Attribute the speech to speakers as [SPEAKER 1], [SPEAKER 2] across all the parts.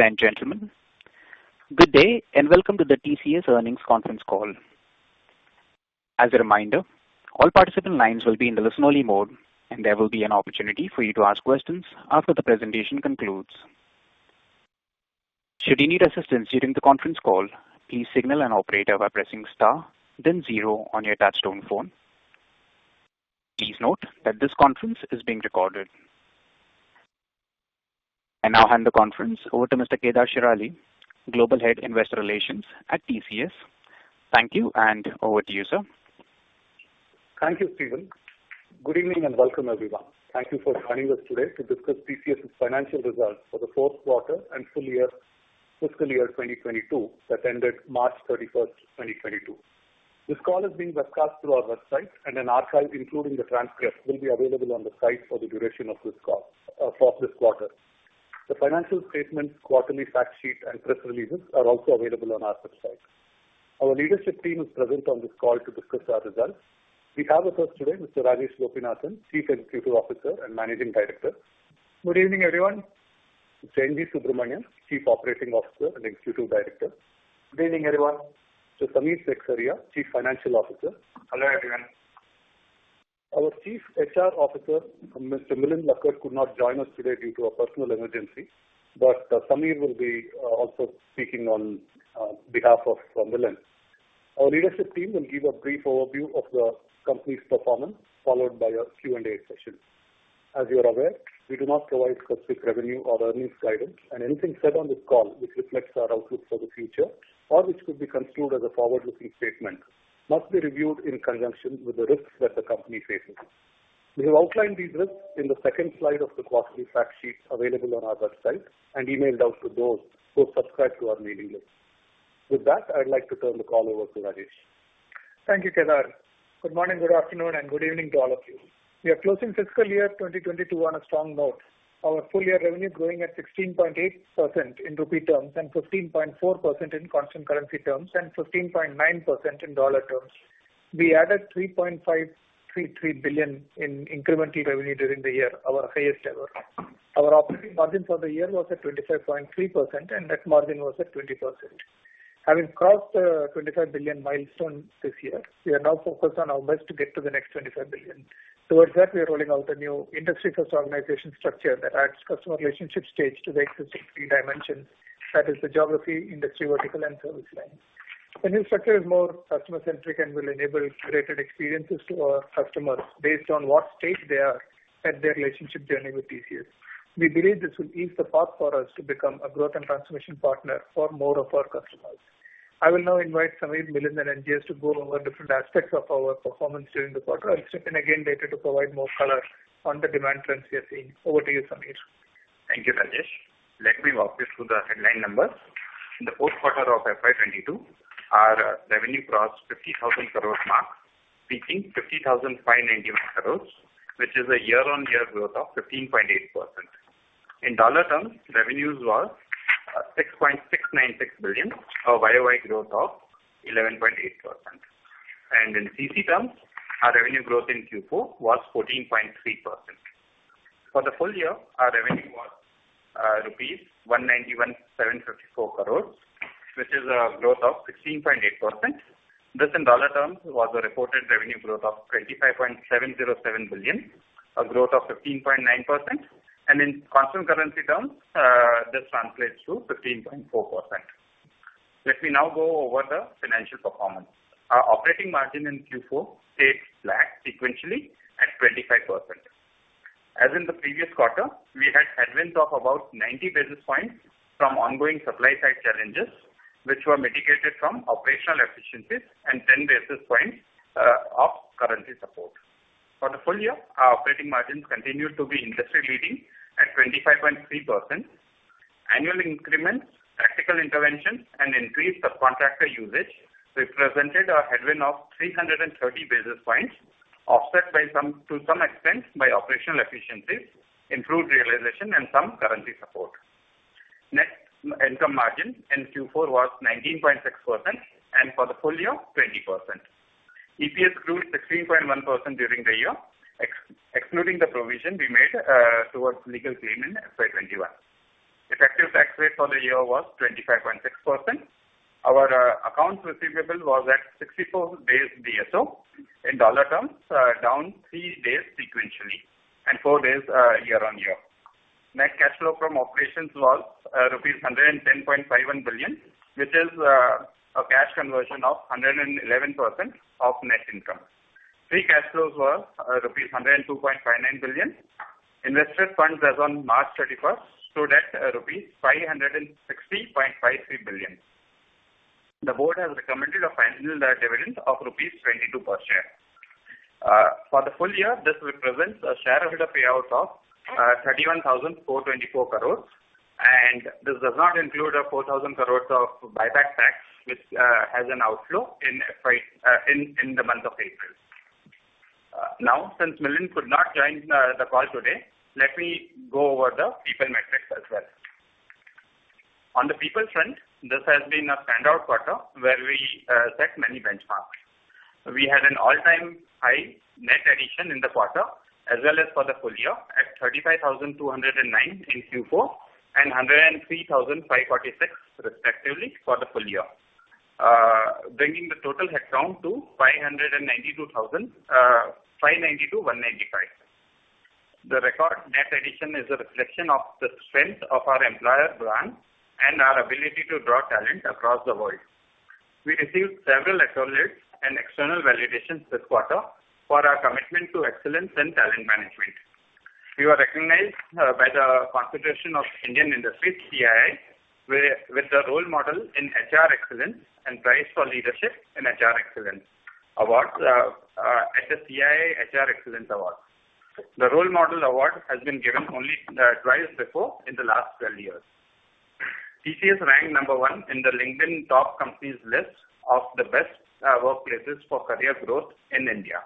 [SPEAKER 1] Ladies and gentlemen, good day and welcome to the TCS Earnings Conference Call. As a reminder, all participant lines will be in the listen only mode, and there will be an opportunity for you to ask questions after the presentation concludes. Should you need assistance during the conference call, please signal an operator by pressing star then zero on your touchtone phone. Please note that this conference is being recorded. I now hand the conference over to Mr. Kedar Shirali, Global Head, Investor Relations at TCS. Thank you and over to you, sir.
[SPEAKER 2] Thank you, Steven. Good evening and welcome, everyone. Thank you for joining us today to discuss TCS' financial results for the fourth quarter and full year fiscal year 2022 that ended March 31, 2022. This call is being webcast through our website and an archive, including the transcript, will be available on the site for the duration of this call for this quarter. The financial statements, quarterly fact sheet and press releases are also available on our website. Our leadership team is present on this call to discuss our results. We have with us today Mr. Rajesh Gopinathan, Chief Executive Officer and Managing Director.
[SPEAKER 3] Good evening, everyone.
[SPEAKER 2] N. G. Subramaniam, Chief Operating Officer & Executive Director.
[SPEAKER 4] Good evening, everyone.
[SPEAKER 2] Samir Seksaria, Chief Financial Officer.
[SPEAKER 5] Hello, everyone.
[SPEAKER 2] Our Chief HR Officer, Mr. Milind Lakkad could not join us today due to a personal emergency. Samir will be also speaking on behalf of Milind. Our leadership team will give a brief overview of the company's performance, followed by a Q&A session. As you're aware, we do not provide specific revenue or earnings guidance and anything said on this call which reflects our outlook for the future or which could be construed as a forward-looking statement must be reviewed in conjunction with the risks that the company faces. We have outlined these risks in the second slide of the quarterly fact sheet available on our website and emailed out to those who subscribe to our mailing list. With that, I'd like to turn the call over to Rajesh.
[SPEAKER 3] Thank you, Kedar. Good morning, good afternoon, and good evening to all of you. We are closing fiscal year 2022 on a strong note. Our full year revenue growing at 16.8% in rupee terms and 15.4% in constant currency terms and 15.9% in dollar terms. We added $3.533 billion in incremental revenue during the year, our highest ever. Our operating margin for the year was at 25.3%, and net margin was at 20%. Having crossed the $25 billion milestone this year, we are now focused on our best to get to the next $25 billion. Towards that, we are rolling out a new industry first organization structure that adds customer relationship stage to the existing three dimensions that is the geography, industry vertical, and service line. The new structure is more customer-centric and will enable curated experiences to our customers based on what stage they are at their relationship journey with TCS. We believe this will ease the path for us to become a growth and transformation partner for more of our customers. I will now invite Samir, Milind and N. G. to go over different aspects of our performance during the quarter. I'll chip in again later to provide more color on the demand trends we are seeing. Over to you, Samir.
[SPEAKER 5] Thank you, Rajesh. Let me walk you through the headline numbers. In the fourth quarter of FY 2022, our revenue crossed 50,000 crore mark, reaching 50,591 crore, which is a year-on-year growth of 15.8%. In dollar terms, revenues was $6.696 billion, a YOY growth of 11.8%. In CC terms, our revenue growth in Q4 was 14.3%. For the full year, our revenue was rupees 191,754 crore, which is a growth of 16.8%. This in dollar terms was a reported revenue of $25.707 billion, a growth of 15.9%. In constant currency terms, this translates to 15.4%. Let me now go over the financial performance. Our operating margin in Q4 stayed flat sequentially at 25%. As in the previous quarter, we had headwinds of about 90 basis points from ongoing supply side challenges, which were mitigated from operational efficiencies and 10 basis points of currency support. For the full year, our operating margins continued to be industry-leading at 25.3%. Annual increments, tactical interventions and increased subcontractor usage represented a headwind of 330 basis points, offset to some extent by operational efficiencies, improved realization and some currency support. Net income margin in Q4 was 19.6% and for the full year, 20%. EPS grew 16.1% during the year, excluding the provision we made towards legal claim in FY 2021. Effective tax rate for the year was 25.6%. Our accounts receivable was at 64 days DSO. In dollar terms, down three days sequentially and four days year-on-year. Net cash flow from operations was rupees 110.51 billion, which is a cash conversion of 111% of net income. Free cash flows were rupees 102.59 billion. Invested funds as on March 31 stood at rupees 560.53 billion. The board has recommended a final dividend of rupees 22 per share. For the full year, this represents a shareholder payout of 31,424 crore, and this does not include 4,000 crore of buyback tax which has an outflow in the month of April. Now, since Milind could not join the call today, let me go over the people metrics as well. On the people front, this has been a standout quarter where we set many benchmarks. We had an all-time high net addition in the quarter as well as for the full year at 35,229 in Q4 and 103,546 respectively for the full year, bringing the total headcount to 592,000, 592,195. The record net addition is a reflection of the strength of our employer brand and our ability to draw talent across the world. We received several accolades and external validations this quarter for our commitment to excellence in talent management. We were recognized by the Confederation of Indian Industry, CII, with the Role Model in HR Excellence and Prize for Leadership in HR Excellence awards at the CII HR Excellence Awards. The Role Model Award has been given only twice before in the last 12 years. TCS ranked number 1 in the LinkedIn Top Companies list of the best workplaces for career growth in India.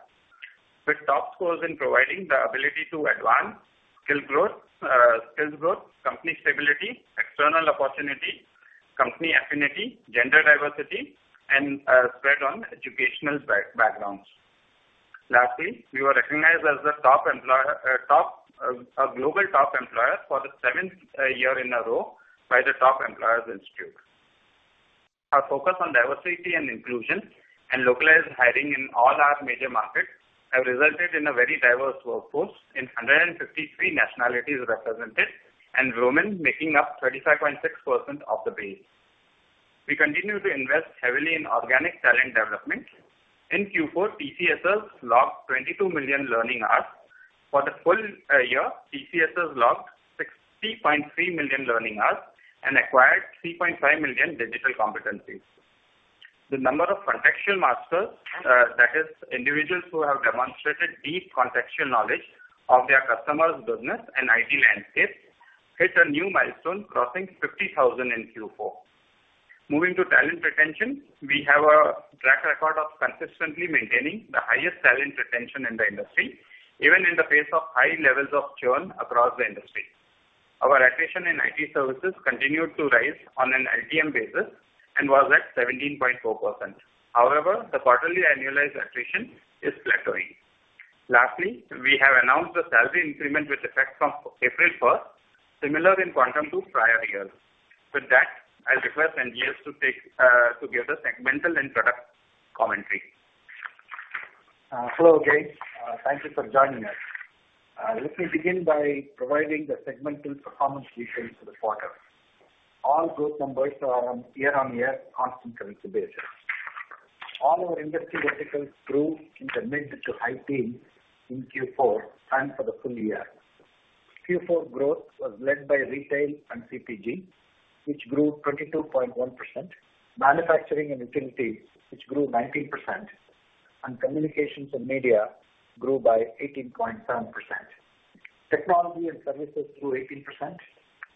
[SPEAKER 5] With top scores in providing the ability to advance, skills growth, company stability, external opportunity, company affinity, gender diversity, and spread on educational backgrounds. Lastly, we were recognized as a Global Top Employer for the seventh year in a row by the Top Employers Institute. Our focus on diversity and inclusion and localized hiring in all our major markets have resulted in a very diverse workforce in 153 nationalities represented, and women making up 35.6% of the base. We continue to invest heavily in organic talent development. In Q4, TCSers logged 22 million learning hours. For the full year, TCSers logged 60.3 million learning hours and acquired 3.5 million digital competencies. The number of Contextual Masters, that is individuals who have demonstrated deep contextual knowledge of their customers' business and IT landscape, hit a new milestone, crossing 50,000 in Q4. Moving to talent retention, we have a track record of consistently maintaining the highest talent retention in the industry, even in the face of high levels of churn across the industry. Our attrition in IT services continued to rise on an LTM basis and was at 17.4%. However, the quarterly annualized attrition is flattening. Lastly, we have announced the salary increment with effect from April first, similar in quantum to prior years. With that, I'll request N.G. to give the segmental and product commentary.
[SPEAKER 4] Hello, guys. Thank you for joining us. Let me begin by providing the segmental performance details for the quarter. All growth numbers are on year-on-year constant currency basis. All our industry verticals grew in the mid to high teens in Q4 and for the full year. Q4 growth was led by Retail and CPG, which grew 22.1%, Manufacturing and Utilities, which grew 19%, and Communications and Media grew by 18.7%. Technology and Services grew 18%.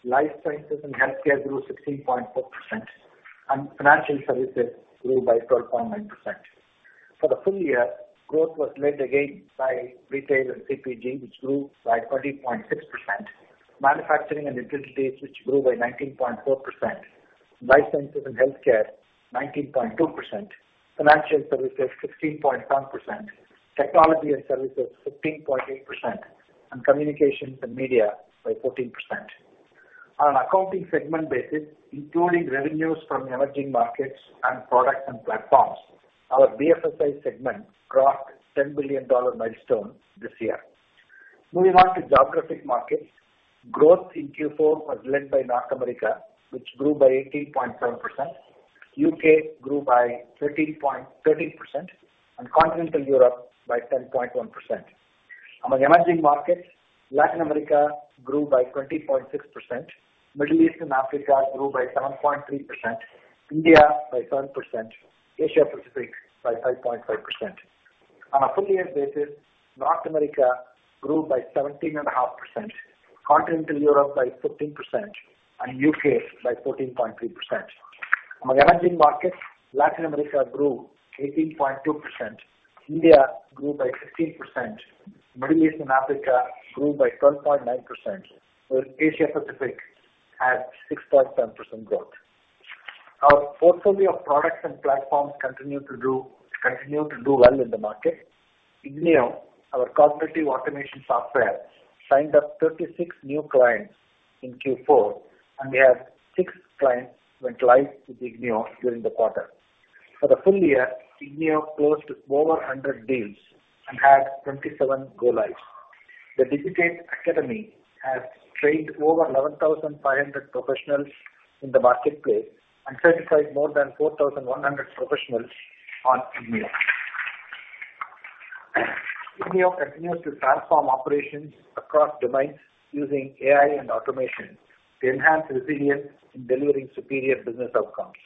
[SPEAKER 4] Life Sciences and Healthcare grew 16.4%, and Financial Services grew by 12.9%. For the full year, growth was led again by retail and CPG, which grew by 20.6%, manufacturing and utilities, which grew by 19.4%, life sciences and healthcare, 19.2%, financial services, 16.1%, technology and services, 15.8%, and communications and media by 14%. On a segmental basis, including revenues from emerging markets and products and platforms, our BFSI segment crossed $10 billion milestone this year. Moving on to geographic markets. Growth in Q4 was led by North America, which grew by 18.7%. U.K. grew by 13%, and Continental Europe by 10.1%. Among emerging markets, Latin America grew by 20.6%. Middle East and Africa grew by 7.3%. India by 7%. Asia Pacific by 5.5%. On a full-year basis, North America grew by 17.5%, Continental Europe by 14%, and U.K. by 14.3%. Among emerging markets, Latin America grew 18.2%. India grew by 15%. Middle East and Africa grew by 12.9%, where Asia Pacific had 6.7% growth. Our portfolio of products and platforms continue to do well in the market. ignio™, our cognitive automation software, signed up 36 new clients in Q4, and we had six clients went live with ignio™ during the quarter. For the full year, ignio™ closed over 100 deals and had 27 go lives. The Digitate Academy has trained over 11,500 professionals in the marketplace and certified more than 4,100 professionals on ignio™. ignio™ continues to transform operations across domains using AI and automation to enhance resilience in delivering superior business outcomes.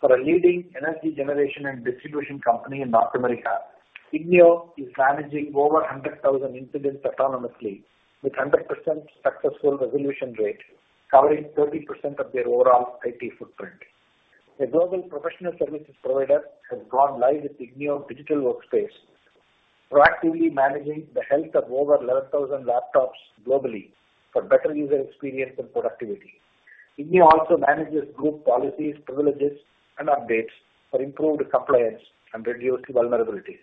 [SPEAKER 4] For a leading energy generation and distribution company in North America, ignio™ is managing over 100,000 incidents autonomously with 100% successful resolution rate, covering 30% of their overall IT footprint. A global professional services provider has gone live with ignio AI.Digital Workspace. Proactively managing the health of over 11,000 laptops globally for better user experience and productivity. ignio™ also manages group policies, privileges, and updates for improved compliance and reduced vulnerability.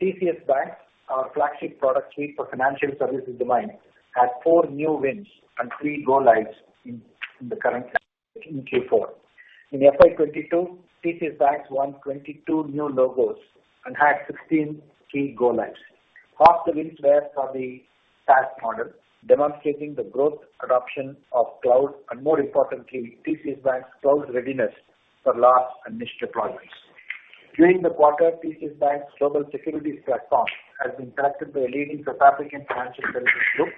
[SPEAKER 4] TCS BaNCS, our flagship product suite for financial services domain, had four new wins and three go lives in the current Q4. In FY 2022, TCS BaNCS won 22 new logos and had 16 key go lives. Half the wins were for the SaaS model, demonstrating the growth adoption of cloud and more importantly, TCS BaNCS cloud readiness for large and niche deployments. During the quarter, TCS BaNCS global securities platform has been selected by a leading South African financial services group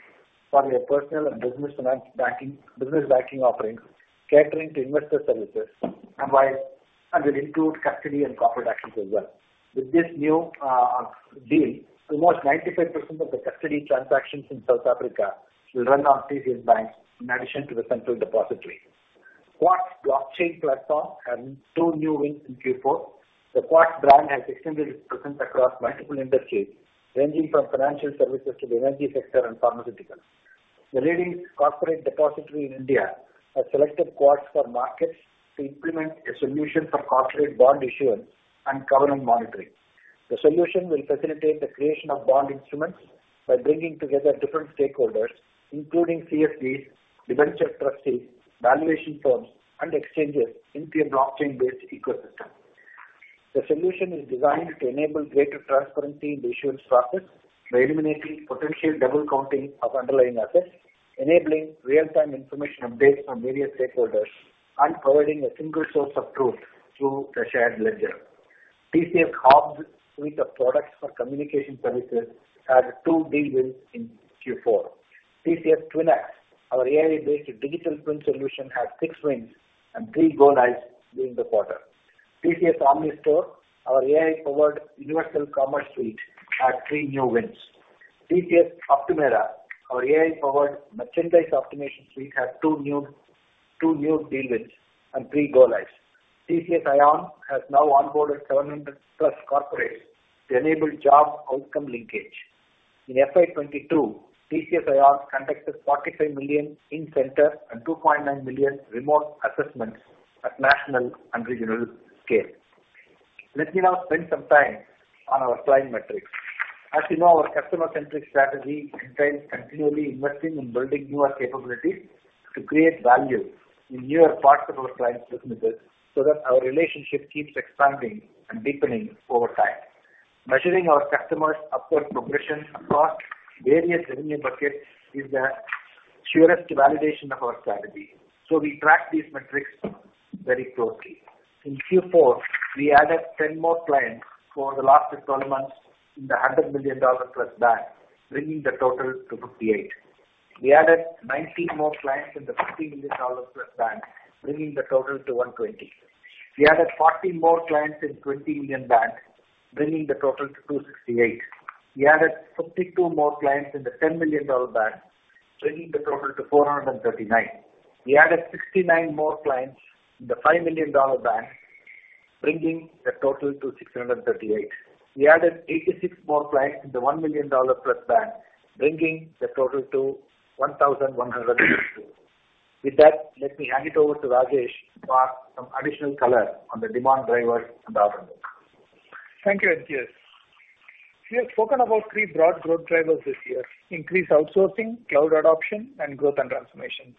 [SPEAKER 4] for their personal and business finance business banking offerings, catering to investor services and will include custody and corporate actions as well. With this new deal, almost 95% of the custody transactions in South Africa will run on TCS BaNCS in addition to the central depository. Quartz blockchain platform had two new wins in Q4. The Quartz brand has extended its presence across multiple industries, ranging from financial services to the energy sector and pharmaceuticals. The leading corporate depository in India has selected Quartz for Markets to implement a solution for corporate bond issuance and covenant monitoring. The solution will facilitate the creation of bond instruments by bringing together different stakeholders, including CSDs, debenture trustees, valuation firms, and exchanges into a blockchain-based ecosystem. The solution is designed to enable greater transparency in the issuance process by eliminating potential double counting of underlying assets, enabling real-time information updates for various stakeholders, and providing a single source of truth through the shared ledger. TCS HOBS suite of products for communication services had two big wins in Q4. TCS TwinX, our AI-based digital twin solution, had six wins and three go lives during the quarter. TCS OmniStore, our AI-powered universal commerce suite, had three new wins. TCS Optumera, our AI-powered merchandise optimization suite, had two new deal wins and three go lives. TCS iON has now onboarded 700+ corporates to enable job outcome linkage. In FY 2022, TCS iON conducted 45 million in-center and 2.9 million remote assessments at national and regional scale. Let me now spend some time on our client metrics. As you know, our customer-centric strategy entails continually investing in building newer capabilities to create value in newer parts of our clients' businesses so that our relationship keeps expanding and deepening over time. Measuring our customers' upward progression across various revenue buckets is the surest validation of our strategy, so we track these metrics very closely. In Q4, we added 10 more clients for the last 12 months in the $100+ million band, bringing the total to 58. We added 19 more clients in the $50+ million band, bringing the total to 120. We added 14 more clients in $20 million band, bringing the total to 268. We added 52 more clients in the $10 million band, bringing the total to 439. We added 69 more clients in the $5 million band, bringing the total to 638. We added 86 more clients in the $1+ million band, bringing the total to 1,152. With that, let me hand it over to Rajesh for some additional color on the demand drivers and outlook.
[SPEAKER 3] Thank you, NGS. We have spoken about three broad growth drivers this year: increased outsourcing, cloud adoption, and growth and transformation.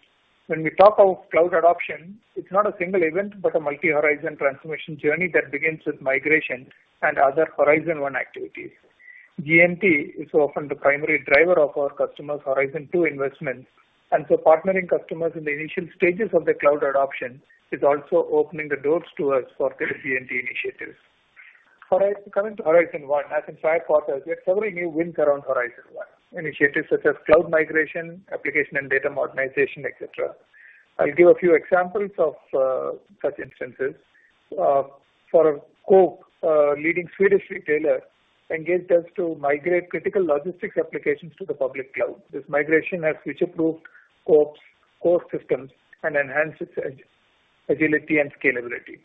[SPEAKER 3] When we talk of cloud adoption, it's not a single event but a multi-horizon transformation journey that begins with migration and other Horizon One activities. GNT is often the primary driver of our customers' Horizon Two investments, and so partnering customers in the initial stages of their cloud adoption is also opening the doors to us for their GNT initiatives. Coming to Horizon One, as in prior quarters, we have several new wins around Horizon One initiatives such as cloud migration, application and data modernization, et cetera. I'll give a few examples of such instances. For Coop, a leading Swedish retailer engaged us to migrate critical logistics applications to the public cloud. This migration has future-proofed Coop's core systems and enhanced its agility and scalability.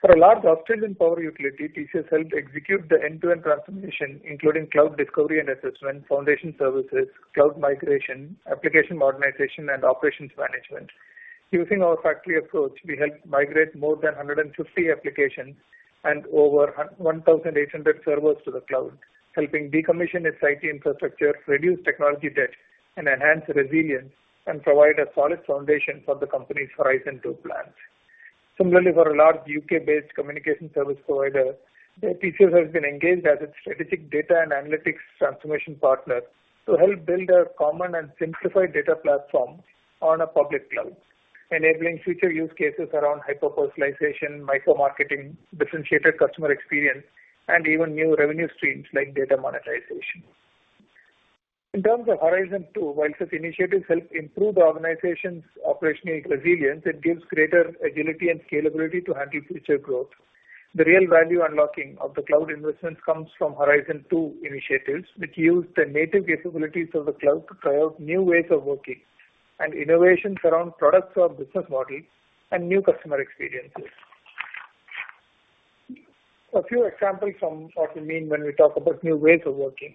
[SPEAKER 3] For a large Australian power utility, TCS helped execute the end-to-end transformation, including cloud discovery and assessment, foundation services, cloud migration, application modernization, and operations management. Using our factory approach, we helped migrate more than 150 applications and over 1,800 servers to the cloud, helping decommission its IT infrastructure, reduce technology debt, and enhance resilience, and provide a solid foundation for the company's Horizon Two plans. Similarly, for a large U.K.-based communication service provider, TCS has been engaged as its strategic data and analytics transformation partner to help build a common and simplified data platform on a public cloud, enabling future use cases around hyper-personalization, micro-marketing, differentiated customer experience, and even new revenue streams like data monetization. In terms of Horizon Two, while such initiatives help improve the organization's operational resilience, it gives greater agility and scalability to handle future growth. The real value unlocking of the cloud investments comes from Horizon Two initiatives, which use the native capabilities of the cloud to try out new ways of working. Innovations around products or business models and new customer experiences. A few examples from what we mean when we talk about new ways of working.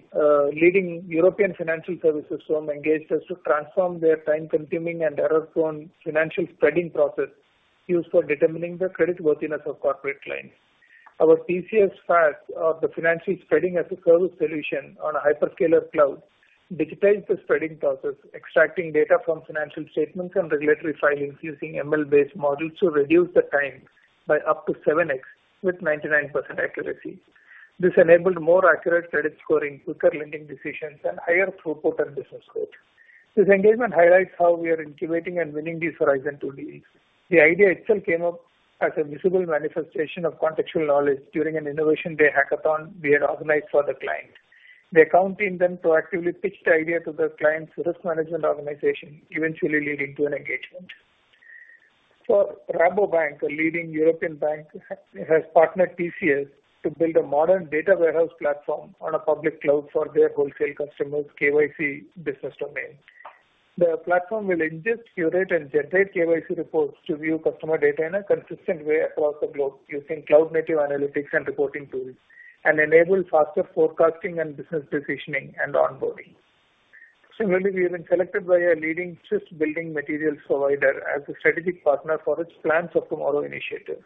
[SPEAKER 3] Leading European financial services firm engaged us to transform their time-consuming and error-prone financial spreading process used for determining the creditworthiness of corporate clients. Our TCS FSaaS, or the Financial Spreading-as-a-Service solution on a hyperscaler cloud, digitized the spreading process, extracting data from financial statements and regulatory filings using ML-based models to reduce the time by up to 7x with 99% accuracy. This enabled more accurate credit scoring, quicker lending decisions, and higher throughput and business growth. This engagement highlights how we are incubating and winning these Horizon Two deals. The idea itself came up as a visible manifestation of contextual knowledge during an Innovation Day hackathon we had organized for the client. The account team then proactively pitched the idea to the client's risk management organization, eventually leading to an engagement. For Rabobank, a leading European bank, has partnered TCS to build a modern data warehouse platform on a public cloud for their wholesale customers' KYC business domain. The platform will ingest, curate, and generate KYC reports to view customer data in a consistent way across the globe using cloud-native analytics and reporting tools, and enable faster forecasting and business decisioning and onboarding. Similarly, we have been selected by a leading Swiss building materials provider as a strategic partner for its Plants of Tomorrow initiative,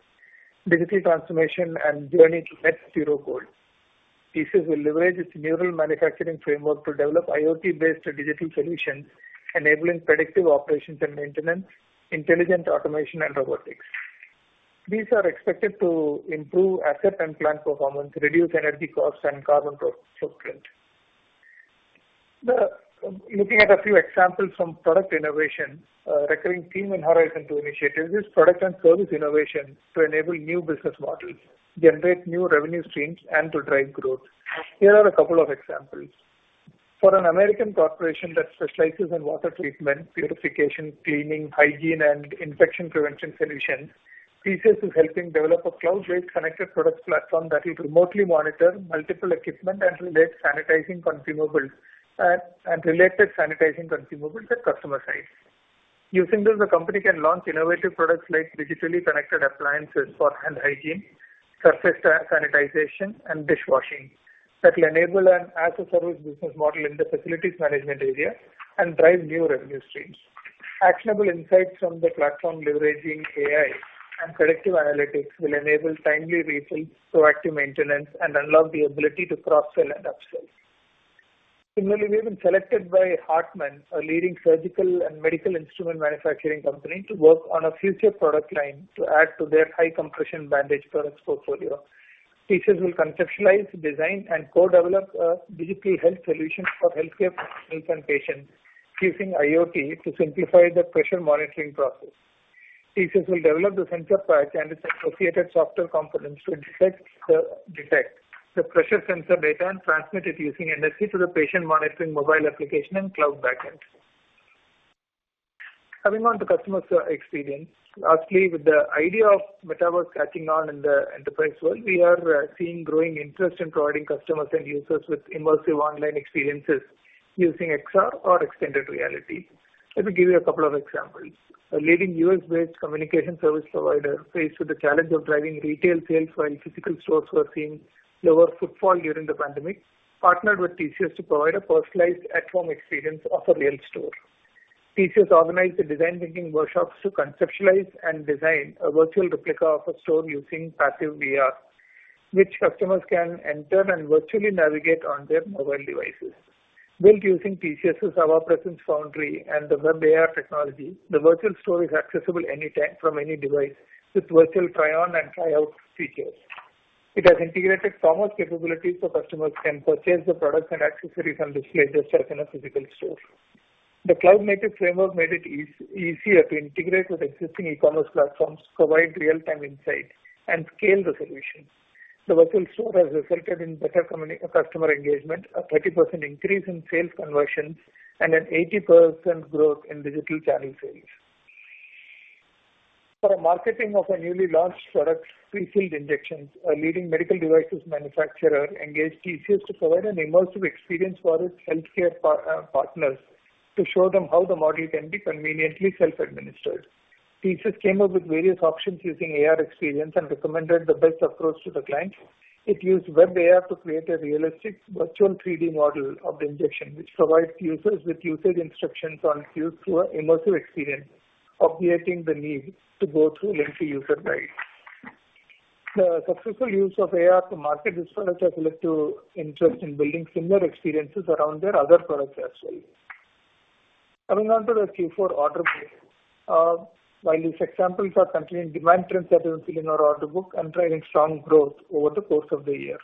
[SPEAKER 3] digital transformation, and journey to net zero goal. TCS will leverage its Neural Manufacturing framework to develop IoT-based digital solutions enabling predictive operations and maintenance, intelligent automation, and robotics. These are expected to improve asset and plant performance, reduce energy costs, and carbon footprint. Looking at a few examples from product innovation, recurring theme in Horizon Two initiatives is product and service innovation to enable new business models, generate new revenue streams, and to drive growth. Here are a couple of examples. For an American corporation that specializes in water treatment, purification, cleaning, hygiene, and infection prevention solutions, TCS is helping develop a cloud-based connected products platform that will remotely monitor multiple equipment and related sanitizing consumables at customer sites. Using this, the company can launch innovative products like digitally connected appliances for hand hygiene, surface sanitization, and dishwashing that will enable an as-a-service business model in the facilities management area and drive new revenue streams. Actionable insights from the platform leveraging AI and predictive analytics will enable timely refills, proactive maintenance, and unlock the ability to cross-sell and upsell. Similarly, we've been selected by HARTMANN, a leading surgical and medical instrument manufacturing company, to work on a future product line to add to their high compression bandage products portfolio. TCS will conceptualize, design, and co-develop a digital health solution for healthcare professionals and patients using IoT to simplify the pressure monitoring process. TCS will develop the sensor patch and its associated software components to detect the pressure sensor data and transmit it using NFC to the patient monitoring mobile application and cloud backend. Coming on to customer experience. Lastly, with the idea of metaverse catching on in the enterprise world, we are seeing growing interest in providing customers and users with immersive online experiences using XR or extended reality. Let me give you a couple of examples. A leading U.S.-based communication service provider faced with the challenge of driving retail sales while physical stores were seeing lower footfall during the pandemic partnered with TCS to provide a personalized at-home experience of a real store. TCS organized the design thinking workshops to conceptualize and design a virtual replica of a store using passive VR, which customers can enter and virtually navigate on their mobile devices. Built using TCS Avapresence and the WebAR technology, the virtual store is accessible anytime from any device with virtual try on and try out features. It has integrated commerce capabilities so customers can purchase the products and accessories on display just like in a physical store. The cloud-native framework made it easier to integrate with existing e-commerce platforms, provide real-time insight, and scale the solution. The virtual store has resulted in better customer engagement, a 30% increase in sales conversions, and an 80% growth in digital channel sales. For a marketing of a newly launched product, pre-filled injections, a leading medical devices manufacturer engaged TCS to provide an immersive experience for its healthcare partners to show them how the model can be conveniently self-administered. TCS came up with various options using AR experience and recommended the best approach to the client. It used WebAR to create a realistic virtual 3D model of the injection which provides users with usage instructions on use through an immersive experience, obviating the need to go through lengthy user guides. The successful use of AR to market this product has led to interest in building similar experiences around their other products as well. Coming on to the Q4 order book, while these examples are continuing demand trends that we see in our order book and driving strong growth over the course of the year.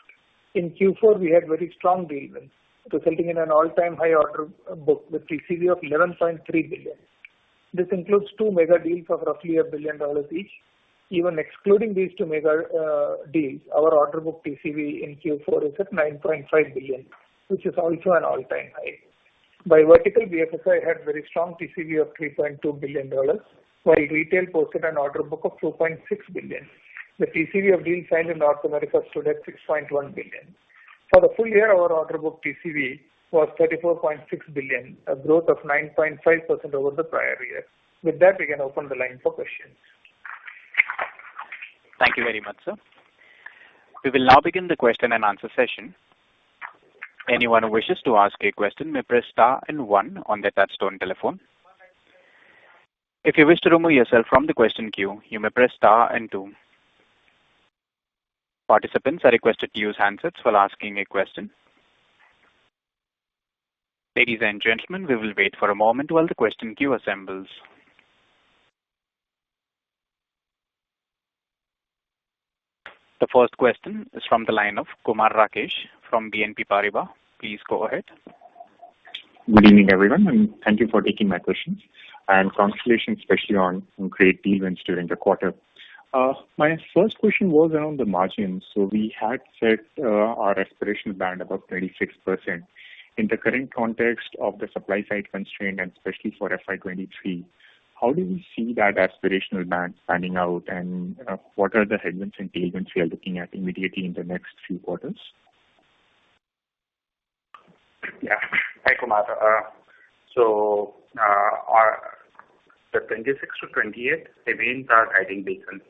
[SPEAKER 3] In Q4, we had very strong deals resulting in an all-time high order book with TCV of $11.3 billion. This includes two mega-deals of roughly $1 billion each. Even excluding these two mega deals, our order book TCV in Q4 is at $9.5 billion, which is also an all-time high. By vertical, BFSI had very strong TCV of $3.2 billion, while retail posted an order book of $2.6 billion. The TCV of deals signed in North America stood at $6.1 billion. For the full year, our order book TCV was $34.6 billion, a growth of 9.5% over the prior year. With that, we can open the line for questions.
[SPEAKER 1] Thank you very much, sir. We will now begin the question and answer session. Anyone who wishes to ask a question may press star and one on their touchtone telephone. If you wish to remove yourself from the question queue, you may press star and two. Participants are requested to use handsets while asking a question. Ladies and gentlemen, we will wait for a moment while the question queue assembles. The first question is from the line of Kumar Rakesh from BNP Paribas. Please go ahead.
[SPEAKER 6] Good evening, everyone, and thank you for taking my questions. Congratulations especially on great deal wins during the quarter. My first question was around the margins. We had set our aspirational band above 26%. In the current context of the supply side constraint and especially for FY 2023, how do you see that aspirational band panning out? What are the headwinds and tailwinds we are looking at immediately in the next few quarters?
[SPEAKER 4] Yeah. Hi, Kumar. The 26-28 remains our guiding beacon.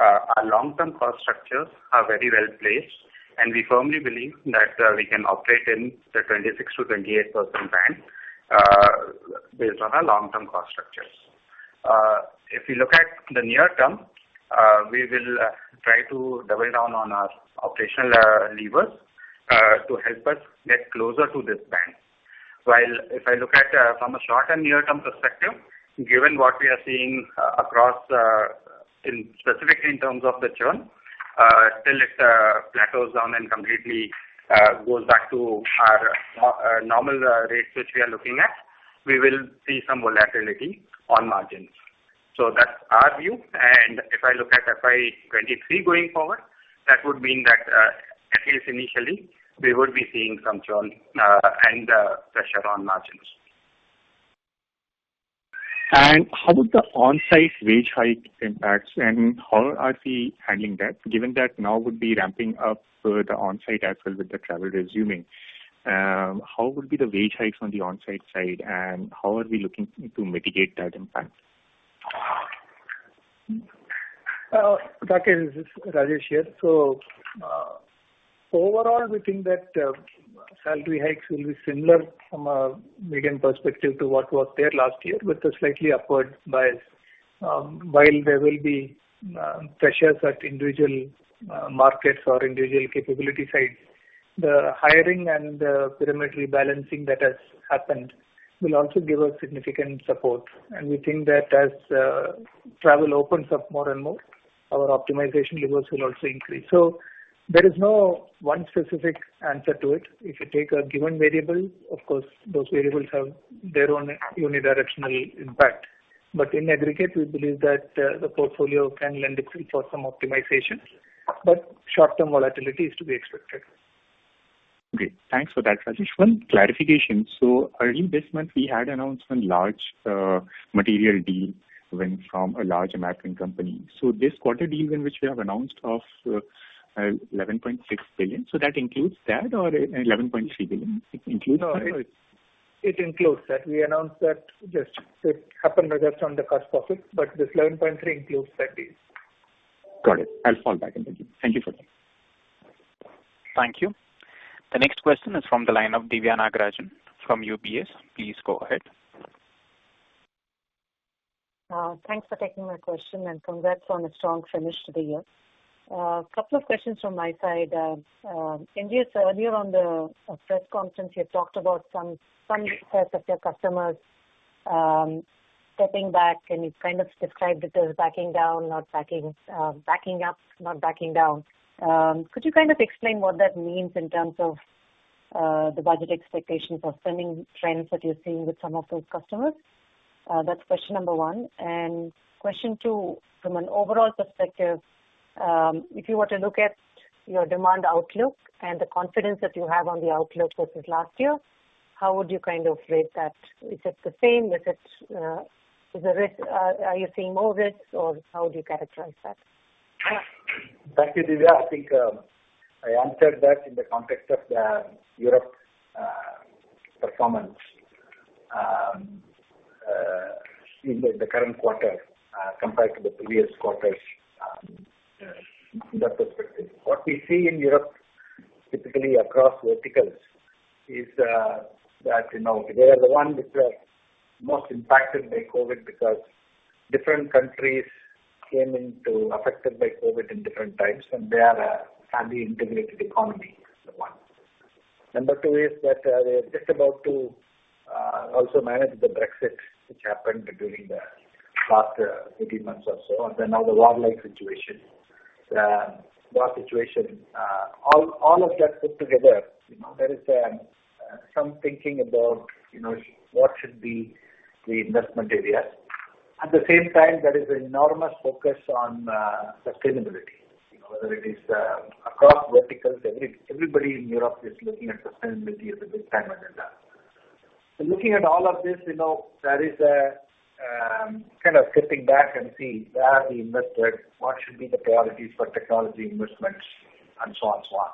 [SPEAKER 4] Our long-term cost structures are very well placed, and we firmly believe that we can operate in the 26%-28% band, based on our long-term cost structures. If you look at the near term, we will try to double down on our operational levers to help us get closer to this band. While if I look at from a short and near-term perspective, given what we are seeing across, especially in terms of the churn, till it plateaus down and completely goes back to our normal rates which we are looking at, we will see some volatility on margins. That's our view. If I look at FY 2023 going forward, that would mean that, at least initially, we would be seeing some churn and pressure on margins.
[SPEAKER 6] How would the onsite wage hike impacts and how are we handling that? Given that now we'll be ramping up, the onsite as well with the travel resuming, how would be the wage hikes on the onsite side, and how are we looking to mitigate that impact?
[SPEAKER 3] Rakesh, this is Rajesh here. Overall, we think that salary hikes will be similar from a TCS perspective to what was there last year with a slightly upward bias. While there will be pressures at individual markets or individual capability sides, the hiring and pyramid rebalancing that has happened will also give us significant support. We think that as travel opens up more and more, our optimization levers will also increase. There is no one specific answer to it. If you take a given variable, of course those variables have their own unidirectional impact. In aggregate, we believe that the portfolio can lend itself for some optimization. Short-term volatility is to be expected.
[SPEAKER 6] Great. Thanks for that, Rajesh. One clarification. Early this month we had announced one large material deal win from a large American company. This quarter deal wins which we have announced of $11.6 billion, that includes that or $11.3 billion, it includes that or it's-
[SPEAKER 3] No, it includes that. We announced that. It happened just on the cusp of it, but this 11.3 includes that deal.
[SPEAKER 6] Got it. I'll fall back. Thank you. Thank you for that.
[SPEAKER 1] Thank you. The next question is from the line of Diviya Nagarajan from UBS. Please go ahead.
[SPEAKER 7] Thanks for taking my question, and congrats on a strong finish to the year. A couple of questions from my side. Sir, earlier on the press conference you had talked about some sets of your customers stepping back, and you kind of described it as backing up, not backing down. Could you kind of explain what that means in terms of the budget expectations or spending trends that you're seeing with some of those customers? That's question number 1. Question 2, from an overall perspective, if you were to look at your demand outlook and the confidence that you have on the outlook versus last year, how would you kind of rate that? Is it the same? Is the risk... Are you seeing more risks, or how would you characterize that?
[SPEAKER 4] Thank you, Diviya. I think I answered that in the context of the Europe performance in the current quarter compared to the previous quarters in that perspective. What we see in Europe, typically across verticals is that you know, they are the ones which were most impacted by COVID because different countries were affected by COVID in different times, and they are a closely integrated economy, for one. Number 2 is that they're just about to also manage the Brexit, which happened during the past 15 months or so. Then now the war-like situation, war situation. All of that put together, you know, there is some thinking about you know, what should be the investment area. At the same time, there is an enormous focus on sustainability. You know, whether it is across verticals, everybody in Europe is looking at sustainability as a big time agenda. Looking at all of this, you know, there is a kind of stepping back and seeing where we invested, what should be the priorities for technology investments and so on, so on.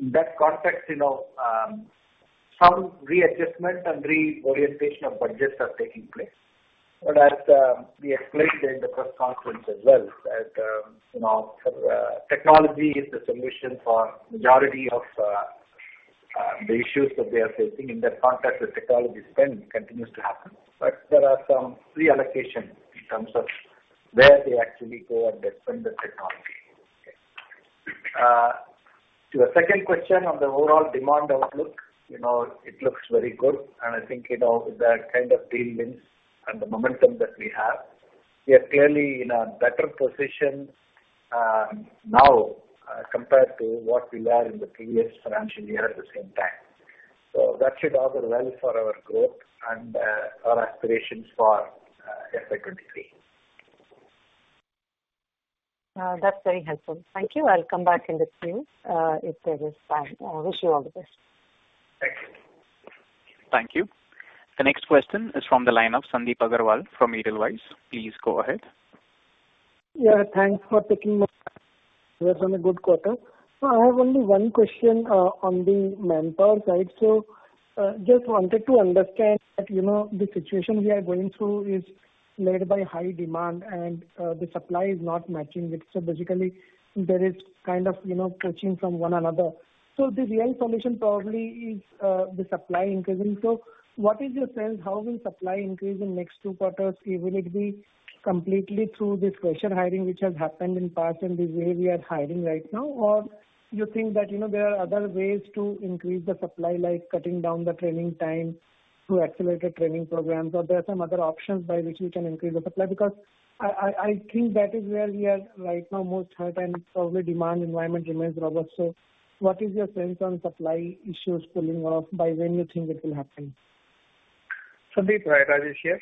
[SPEAKER 4] In that context, you know, some readjustment and reorientation of budgets are taking place. As we explained in the press conference as well that you know technology is the solution for majority of the issues that they are facing. In that context, the technology spend continues to happen. There are some reallocations in terms of where they actually go and they spend the technology. To your second question on the overall demand outlook, you know, it looks very good. I think, you know, with that kind of deal wins and the momentum that we have, we are clearly in a better position, now, compared to what we were in the previous financial year at the same time. That should all go well for our growth and, our aspirations for FY 2023.
[SPEAKER 7] That's very helpful. Thank you. I'll come back in the queue, if there is time. I wish you all the best.
[SPEAKER 4] Thank you.
[SPEAKER 1] Thank you. The next question is from the line of Sandip Agarwal from Edelweiss. Please go ahead.
[SPEAKER 8] Thanks for taking my question on a good quarter. I have only one question on the manpower side. Just wanted to understand that, you know, the situation we are going through is led by high demand and the supply is not matching it. Basically there is kind of, you know, stretching from one another. The real solution probably is the supply increasing. What is your sense, how will supply increase in next two quarters? Will it be completely through this fresher hiring which has happened in the past and the way we are hiring right now? Or you think that, you know, there are other ways to increase the supply, like cutting down the training time to accelerate the training program? There are some other options by which you can increase the supply. Because I think that is where we are right now most hurt, and probably demand environment remains robust. What is your sense on supply issues pulling off? By when you think it will happen?
[SPEAKER 3] Sandip, Rajesh here.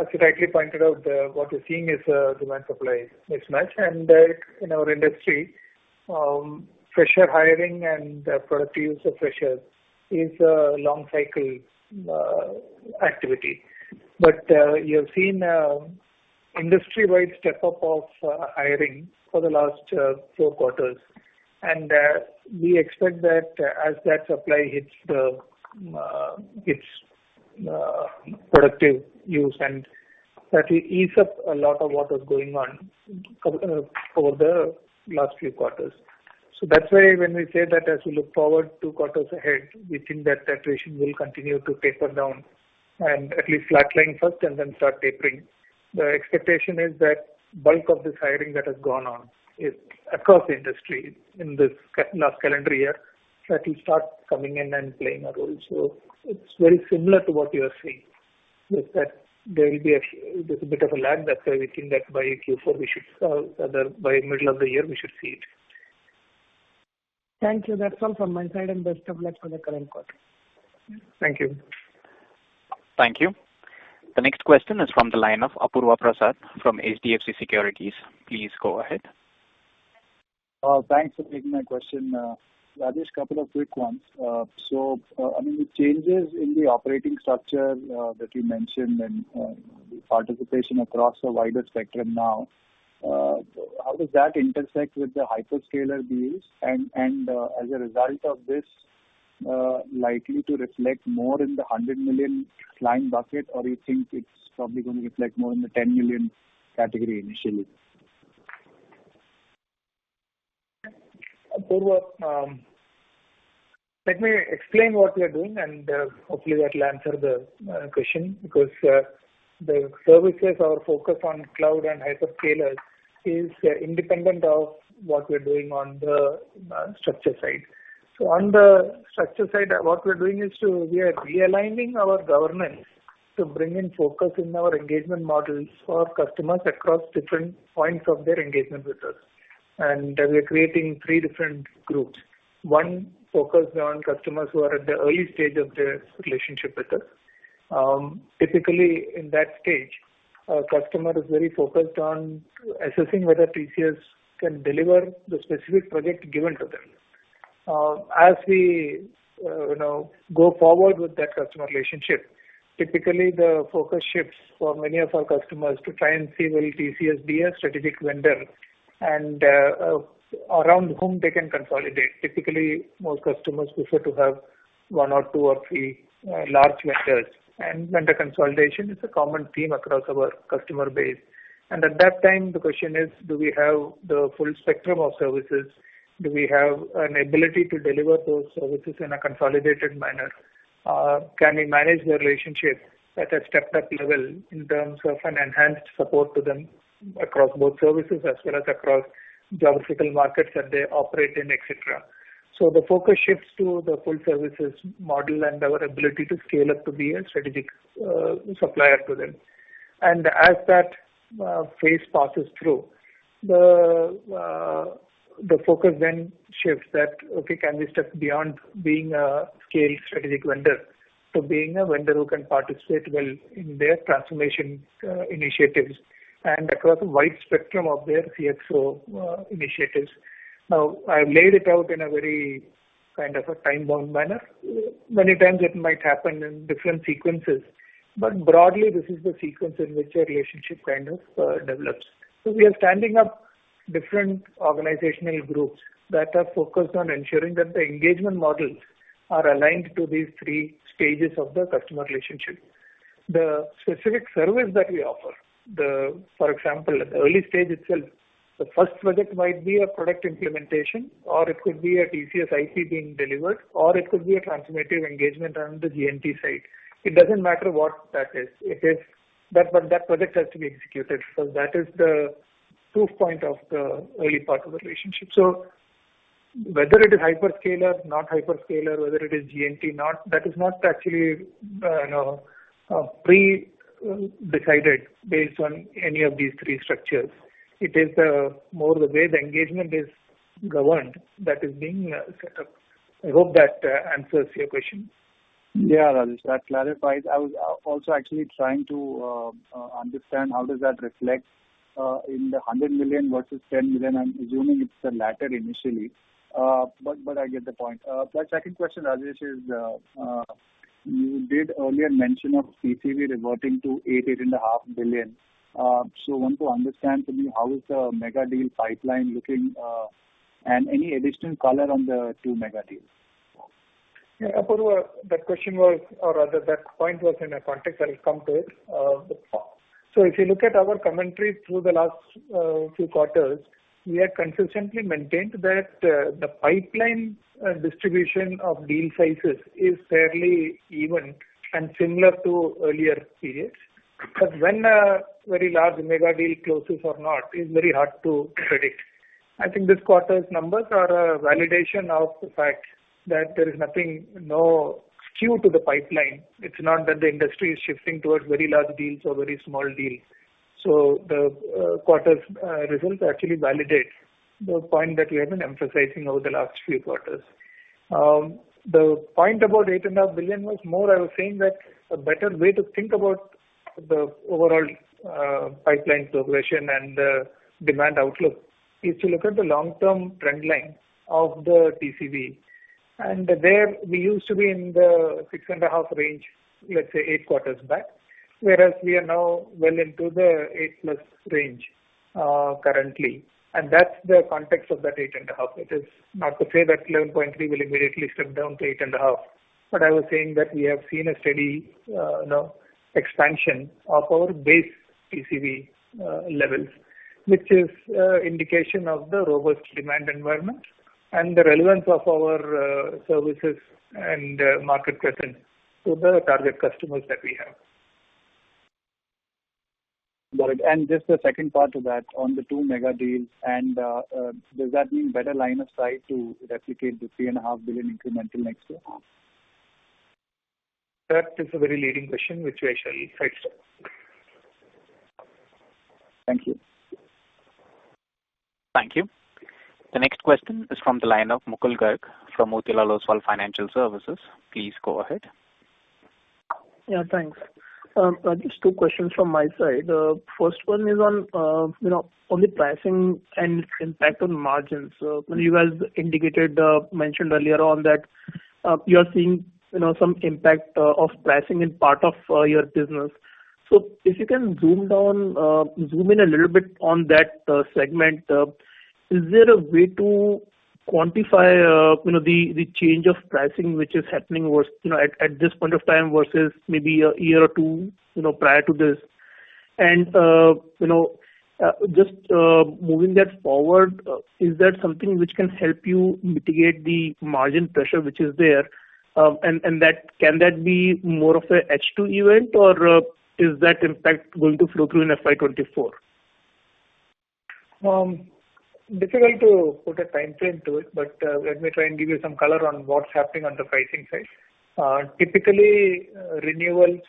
[SPEAKER 3] As you rightly pointed out, what we're seeing is a demand-supply mismatch. In our industry, fresher hiring and productive use of freshers is a long cycle activity. You've seen an industry-wide step-up of hiring for the last four quarters. We expect that as that supply hits productive use and that will ease up a lot of what was going on over the last few quarters. That's why when we say that as we look forward two quarters ahead, we think that ratio will continue to taper down and at least flatline first and then start tapering. The expectation is that bulk of this hiring that has gone on is across the industry in this last calendar year, that will start coming in and playing a role. It's very similar to what you are saying, that there will be a bit of a lag. That's why we think that by Q4 by middle of the year we should see it.
[SPEAKER 8] Thank you. That's all from my side. Best of luck for the current quarter.
[SPEAKER 3] Thank you.
[SPEAKER 1] Thank you. The next question is from the line of Apurva Prasad from HDFC Securities. Please go ahead.
[SPEAKER 9] Thanks for taking my question. Rajesh, couple of quick ones. I mean, the changes in the operating structure that you mentioned and the participation across a wider spectrum now, how does that intersect with the hyperscaler deals? As a result of this, likely to reflect more in the $100 million client bucket? Or you think it's probably gonna reflect more in the $10 million category initially?
[SPEAKER 3] Apurva, let me explain what we are doing and, hopefully that'll answer the question. The services are focused on cloud and hyperscalers is independent of what we're doing on the structure side. On the structure side, what we're doing is we are realigning our governance to bring in focus in our engagement models for customers across different points of their engagement with us. We are creating three different groups. One focused on customers who are at the early stage of their relationship with us. Typically in that stage, a customer is very focused on assessing whether TCS can deliver the specific project given to them. As we, you know, go forward with that customer relationship, typically the focus shifts for many of our customers to try and see will TCS be a strategic vendor and around whom they can consolidate. Typically, most customers prefer to have one or two or three large vendors, and vendor consolidation is a common theme across our customer base. At that time, the question is. Do we have the full spectrum of services? Do we have an ability to deliver those services in a consolidated manner? Can we manage the relationship at a stepped-up level in terms of an enhanced support to them across both services as well as across geographical markets that they operate in, et cetera? The focus shifts to the full services model and our ability to scale up to be a strategic supplier to them. As that phase passes through, the focus then shifts that, okay, can we step beyond being a scale strategic vendor to being a vendor who can participate well in their transformation initiatives and across a wide spectrum of their CXO initiatives. I laid it out in a very kind of a time-bound manner. Many times it might happen in different sequences, but broadly this is the sequence in which a relationship kind of develops. We are standing up different organizational groups that are focused on ensuring that the engagement models are aligned to these three stages of the customer relationship. The specific service that we offer, for example, at the early stage itself, the first project might be a product implementation or it could be a TCS IP being delivered, or it could be a transformative engagement on the GNT side. It doesn't matter what that is. It is that project has to be executed. That is the proof point of the early part of the relationship. Whether it is hyperscaler, not hyperscaler, whether it is GNT not, that is not actually, you know, pre-decided based on any of these three structures. It is more the way the engagement is governed that is being set up. I hope that answers your question.
[SPEAKER 9] Yeah, Rajesh, that clarifies. I was also actually trying to understand how does that reflect in the $100 million versus $10 million. I'm assuming it's the latter initially. I get the point. My second question, Rajesh, is you did earlier mention of TCV reverting to $8 billion-$8.5 billion. Want to understand from you how the mega deal pipeline is looking, and any additional color on the two mega deals?
[SPEAKER 3] Yeah. Apurva, that question was or rather that point was in a context I'll come to it. If you look at our commentary through the last few quarters, we have consistently maintained that the pipeline distribution of deal sizes is fairly even and similar to earlier periods. When a very large mega deal closes or not is very hard to predict. I think this quarter's numbers are a validation of the fact that there is nothing, no skew to the pipeline. It's not that the industry is shifting towards very large deals or very small deals. The quarter's results actually validate the point that we have been emphasizing over the last few quarters. The point about $8.5 billion was more, I was saying that a better way to think about the overall pipeline progression and demand outlook is to look at the long-term trend line of the TCV. There we used to be in the $6.5 billion range, let's say eight quarters back, whereas we are now well into the $8+ billion range currently. That's the context of that $8.5 billion. It is not to say that $11.3 billion will immediately step down to $8.5 billion, but I was saying that we have seen a steady, you know, expansion of our base TCV levels, which is indication of the robust demand environment and the relevance of our services and market presence to the target customers that we have.
[SPEAKER 9] Got it. Just the second part of that on the two mega deals, and does that mean better line of sight to replicate the $3.5 billion incremental next year?
[SPEAKER 3] That is a very leading question which I shall take.
[SPEAKER 9] Thank you.
[SPEAKER 1] Thank you. The next question is from the line of Mukul Garg from Motilal Oswal Financial Services. Please go ahead.
[SPEAKER 10] Yeah, thanks. Rajesh, two questions from my side. First one is on, you know, on the pricing and impact on margins. When you guys mentioned earlier that you are seeing, you know, some impact of pricing in part of your business, if you can zoom in a little bit on that segment. Is there a way to quantify, you know, the change of pricing which is happening now, you know, at this point of time versus maybe a year or two, you know, prior to this? You know, just moving that forward, is there something which can help you mitigate the margin pressure which is there? Can that be more of a H2 event or is that impact going to flow through in FY 2024?
[SPEAKER 3] Difficult to put a timeframe to it, but let me try and give you some color on what's happening on the pricing side. Typically, renewals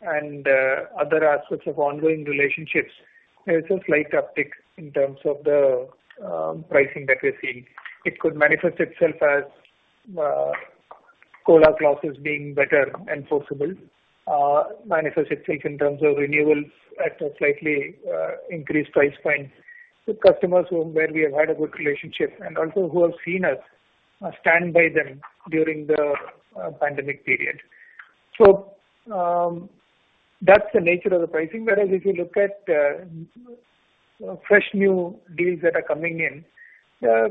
[SPEAKER 3] and other aspects of ongoing relationships, there's a slight uptick in terms of the pricing that we're seeing. It could manifest itself as COLA clauses being better enforceable, manifest itself in terms of renewals at a slightly increased price point with customers whom we have had a good relationship and also who have seen us stand by them during the pandemic period. That's the nature of the pricing. Whereas if you look at fresh new deals that are coming in,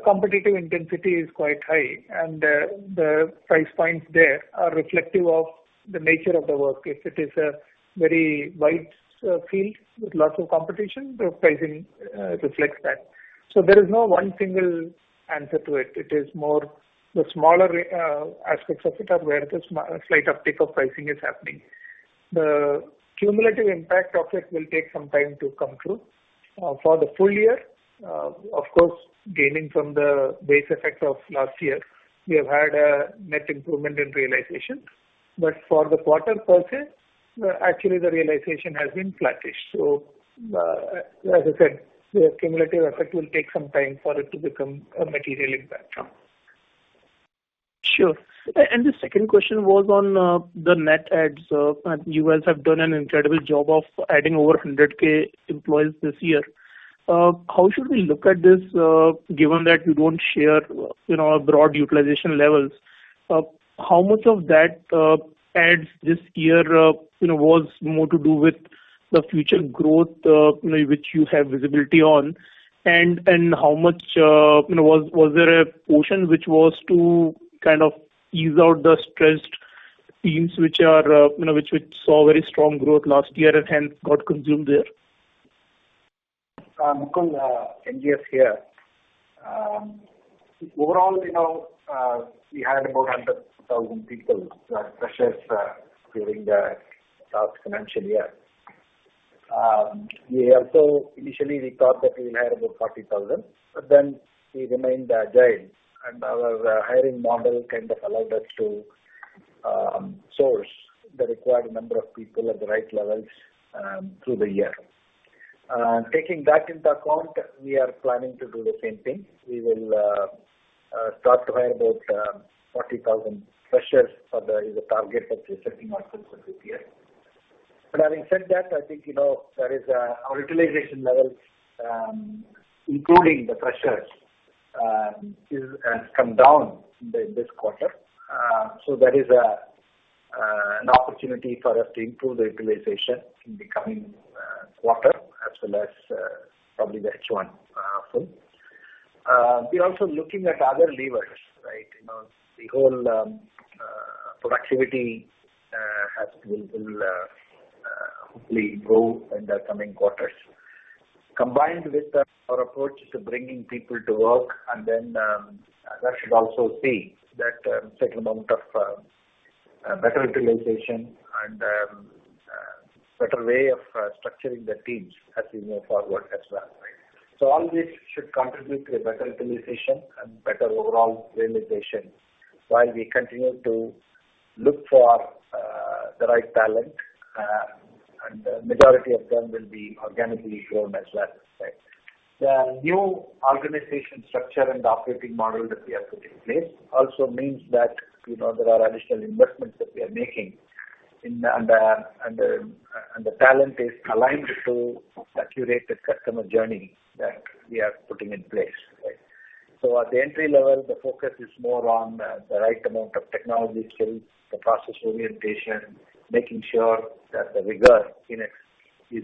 [SPEAKER 3] competitive intensity is quite high and the price points there are reflective of the nature of the work. If it is a very wide field with lots of competition, the pricing reflects that. There is no one single answer to it. It is more the smaller aspects of it are where the slight uptick of pricing is happening. The cumulative impact of it will take some time to come through. For the full year, of course, gaining from the base effect of last year, we have had a net improvement in realization. For the quarter per se, actually the realization has been flattish. As I said, the cumulative effect will take some time for it to become a material impact. Sure. And the second question was on the net adds. You guys have done an incredible job of adding over 100K employees this year.
[SPEAKER 10] How should we look at this, given that you don't share, you know, broad utilization levels? How much of that adds this year, you know, was more to do with the future growth, you know, which you have visibility on? How much, you know, was there a portion which was to kind of ease out the stressed teams which are, you know, which saw very strong growth last year and hence got consumed there?
[SPEAKER 4] Mukul, N. G. S here. Overall, you know, we hired about 100,000 people, freshers, during the last financial year. We also initially thought that we hired about 40,000, but then we remained agile, and our hiring model kind of allowed us to source the required number of people at the right levels through the year. Taking that into account, we are planning to do the same thing. We will start to hire about 40,000 freshers. That is the target that we are setting ourselves for this year. Having said that, I think, you know, there is our utilization levels, including the freshers, has come down this quarter. There is an opportunity for us to improve the utilization in the coming quarter as well as probably the H1 full. We're also looking at other levers, right? You know, the whole productivity will hopefully grow in the coming quarters. Combined with our approach to bringing people to work and then that should also see that certain amount of better utilization and better way of structuring the teams as we move forward as well, right? All this should contribute to a better utilization and better overall realization while we continue to look for the right talent. The majority of them will be organically grown as well, right? The new organization structure and operating model that we have put in place also means that, you know, there are additional investments that we are making, and the talent is aligned to a curated customer journey that we are putting in place, right? At the entry level, the focus is more on the right amount of technology skills, the process orientation, making sure that the rigor in it is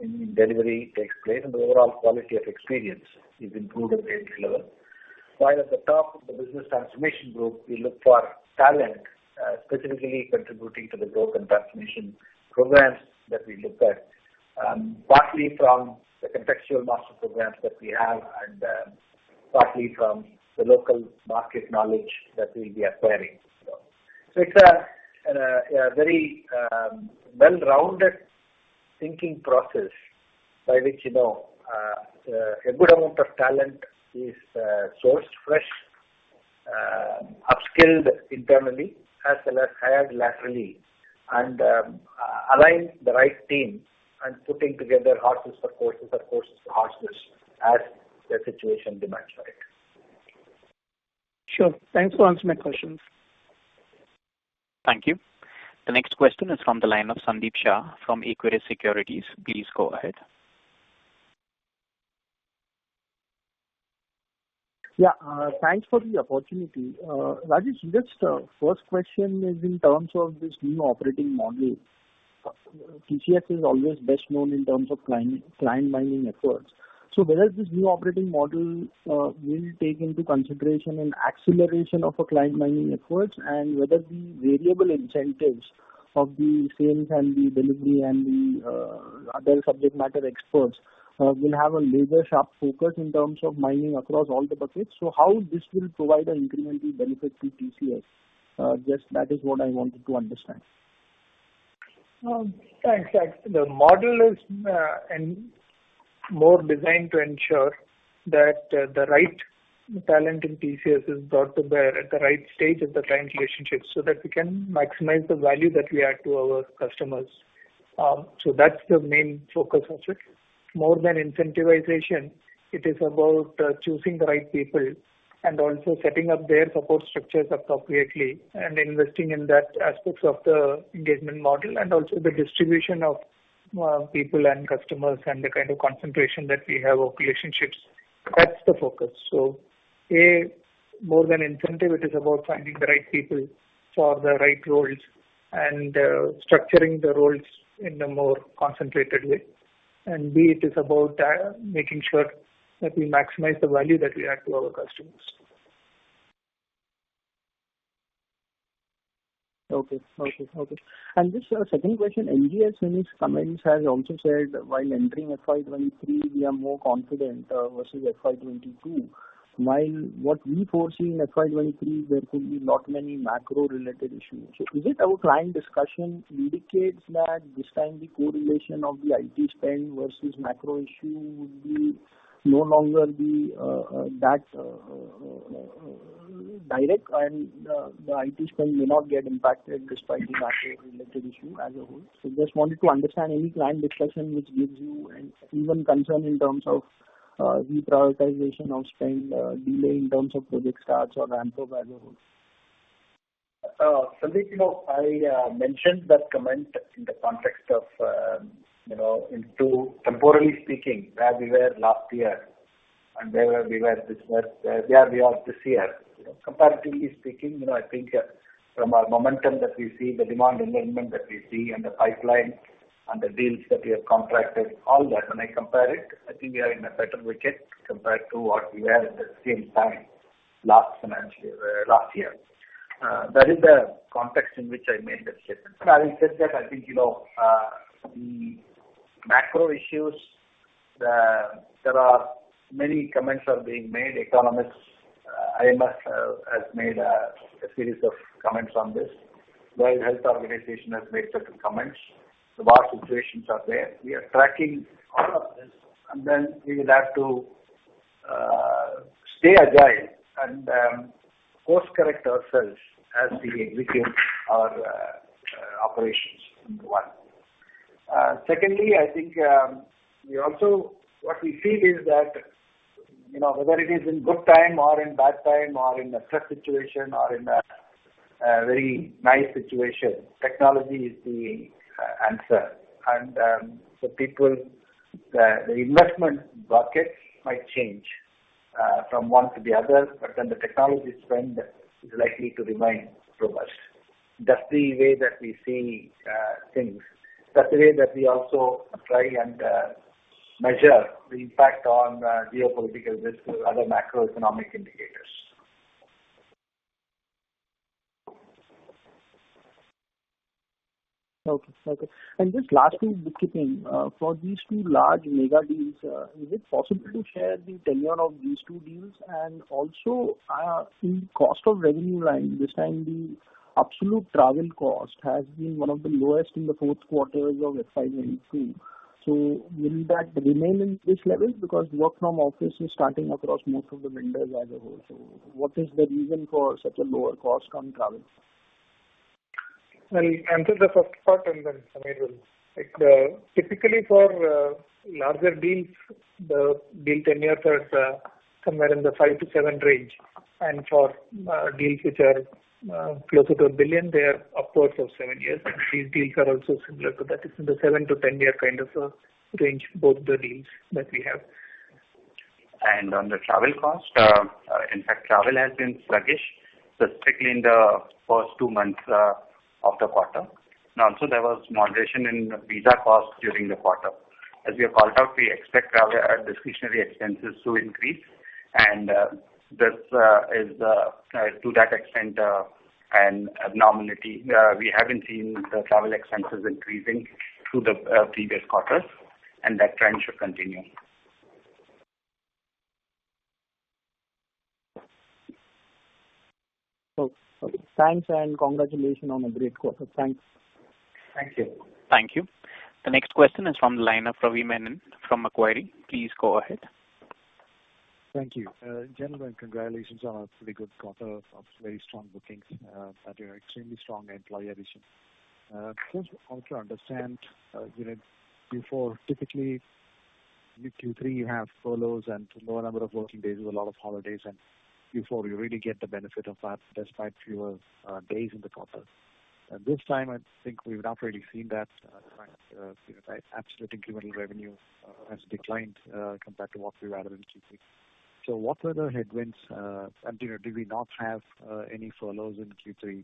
[SPEAKER 4] in delivery takes place, and the overall quality of experience is improved at the entry level. While at the top of the business transformation group, we look for talent specifically contributing to the growth and transformation programs that we look at, partly from the Contextual Masters programs that we have and partly from the local market knowledge that we'll be acquiring as well. It's a very well-rounded thinking process by which, you know, a good amount of talent is sourced fresh, upskilled internally, as well as hired laterally, and align the right team and putting together horses for courses or courses for horses as the situation demands for it.
[SPEAKER 10] Sure. Thanks for answering my questions.
[SPEAKER 1] Thank you. The next question is from the line of Sandeep Shah from Equirus Securities. Please go ahead.
[SPEAKER 11] Yeah. Thanks for the opportunity. Rajesh, just, first question is in terms of this new operating model. TCS is always best known in terms of client mining efforts. Whether this new operating model will take into consideration an acceleration of a client mining efforts and whether the variable incentives of the same can be delivered and the other subject matter experts will have a laser-sharp focus in terms of mining across all the buckets. How this will provide an incremental benefit to TCS? Just that is what I wanted to understand.
[SPEAKER 3] Thanks, Sandeep. The model is more designed to ensure that the right talent in TCS is brought to bear at the right stage of the client relationship, so that we can maximize the value that we add to our customers. That's the main focus of it. More than incentivization, it is about choosing the right people and also setting up their support structures appropriately and investing in those aspects of the engagement model and also the distribution of people and customers and the kind of concentration that we have of relationships. That's the focus. A, more than incentive, it is about finding the right people for the right roles and structuring the roles in a more concentrated way. B, it is about making sure that we maximize the value that we add to our customers.
[SPEAKER 11] Just a second question. N. G. S in its comments has also said while entering FY 2023, we are more confident versus FY 2022. While what we foresee in FY 2023, there could be lot many macro-related issues. Is it our client discussion indicates that this time the correlation of the IT spend versus macro issue would no longer be that direct and the IT spend may not get impacted despite the macro-related issue as a whole? Just wanted to understand any client discussion which gives you any indication of concern in terms of reprioritization of spend, delay in terms of project starts or ramp of value.
[SPEAKER 4] Sandeep, you know, I mentioned that comment in the context of, you know, temporally speaking, where we were last year and where we are this year. You know, comparatively speaking, you know, I think, from our momentum that we see, the demand environment that we see and the pipeline and the deals that we have contracted, all that, when I compare it, I think we are in a better wicket compared to what we were at the same time last financial year, last year. That is the context in which I made that statement. Having said that, I think, you know, the macro issues, there are many comments being made. Economists, IMF has made a series of comments on this. World Health Organization has made certain comments. The war situations are there. We are tracking all of this, and then we would have to stay agile and course correct ourselves as we execute our operations, number 1. Secondly, I think we also, what we feel is that, you know, whether it is in good time or in bad time or in a tough situation or in a very nice situation, technology is the answer. People, the investment bucket might change from one to the other, but then the technology spend is likely to remain robust. That's the way that we see things. That's the way that we also try and measure the impact on geopolitical risks or other macroeconomic indicators.
[SPEAKER 11] Okay. Just lastly, for these two large mega deals, is it possible to share the tenure of these two deals? Also, in cost of revenue line, this time the absolute travel cost has been one of the lowest in the fourth quarters of FY 2022. Will that remain in this level? Because work from office is starting across most of the vendors as a whole. What is the reason for such a lower cost on travel?
[SPEAKER 3] I'll answer the first part and then Samir will. Like, typically for larger deals, the deal tenure is somewhere in the 5-7 range. For deals which are closer to a billion, they are upwards of seven years. These deals are also similar to that. It's in the 7-10 year kind of a range, both the deals that we have.
[SPEAKER 5] On the travel cost, in fact, travel has been sluggish, specifically in the first two months of the quarter. Also there was moderation in visa costs during the quarter. As we have called out, we expect travel discretionary expenses to increase. This is, to that extent, an abnormality. We haven't seen the travel expenses increasing through the previous quarters, and that trend should continue.
[SPEAKER 11] Okay. Thanks, and congratulations on a great quarter. Thanks.
[SPEAKER 4] Thank you.
[SPEAKER 1] Thank you. The next question is from the line of Ravi Menon from Macquarie. Please go ahead.
[SPEAKER 12] Thank you. Gentlemen, congratulations on a pretty good quarter of very strong bookings and extremely strong employee addition. First, I want to understand, you know, before typically in Q3 you have furloughs and lower number of working days with a lot of holidays, and before we really get the benefit of that, there's quite fewer days in the quarter. This time I think we've not really seen that, you know. Absolute incremental revenue has declined compared to what we were at in Q3. What were the headwinds, and, you know, did we not have any furloughs in Q3? You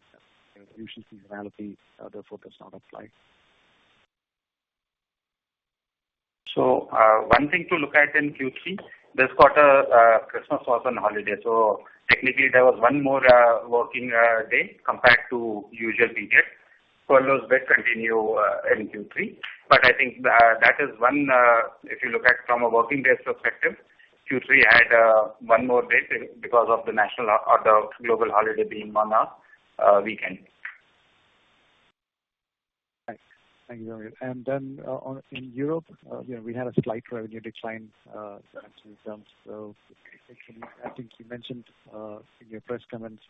[SPEAKER 12] know, usual seasonality therefore does not apply.
[SPEAKER 5] One thing to look at in Q3, this quarter, Christmas was on holiday, so technically there was one more working day compared to usual we get. Furloughs did continue in Q3, but I think that is one if you look at from a working days perspective. Q3 had one more day because of the national or the global holiday being on a weekend.
[SPEAKER 12] Thanks. Thank you, Samir. Then in Europe, you know, we had a slight revenue decline in terms of. Actually, I think you mentioned in your first comments